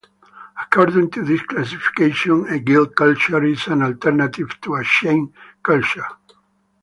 According to this classification, a guilt culture is an alternative to a shame culture.